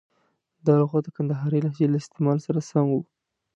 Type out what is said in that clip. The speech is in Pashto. دا لغت د کندهارۍ لهجې له استعمال سره سم و.